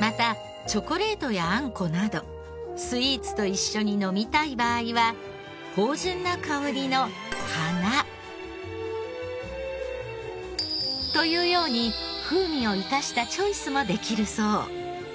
またチョコレートやあんこなどスイーツと一緒に飲みたい場合は芳醇な香りの花。というように風味を生かしたチョイスもできるそう。